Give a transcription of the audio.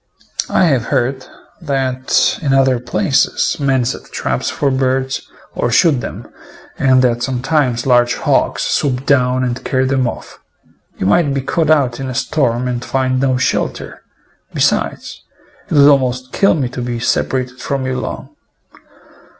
I have heard that in other places men set traps for birds or shoot them, and that sometimes large hawks swoop down and carry them off. You might be caught out in a storm and find no shelter; besides, it would almost kill me to be separated from you long.